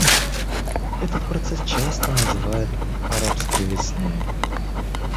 Этот процесс часто называют «арабской весной».